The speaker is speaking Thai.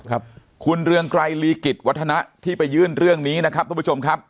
ครับคุณเรืองไกรลีกิจวัฒนะที่ไปยื่นเรื่องนี้นะครับทุกผู้ชมครับ